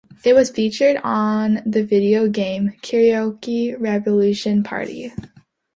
It was featured on the video game "Karaoke Revolution Party".